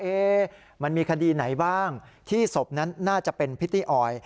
มันมีคดีไหนบ้างที่ศพนั้นน่าจะเป็นพิตตี้ออย